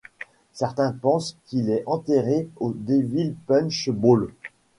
Certains pensent qu'il est enterré au Devil's Punch Bowl.